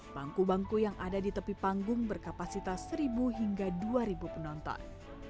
bangku bangku yang ada di tepi panggung berkapasitas seribu hingga dua ribu penonton